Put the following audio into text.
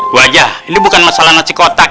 gua aja ini bukan masalah nasi kotak